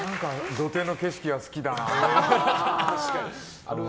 土手の景色は好きだな。